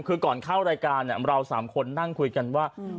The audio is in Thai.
คือก่อนเข้ารายการเราสามคนนั่งคุยกันว่า